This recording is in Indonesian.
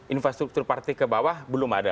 infrastruktur partai ke bawah belum ada